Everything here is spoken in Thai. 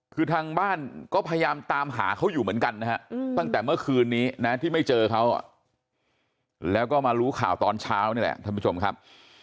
คือทางบ้านก็พยายามตามหาเขาอยู่เหมือนกันนะครับ